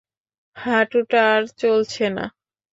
হাঁটুটা আর চলছে না।